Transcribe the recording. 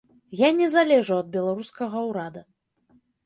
Я не залежу ад беларускага ўрада.